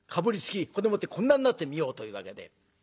そんでもってこんなんなって見ようというわけで。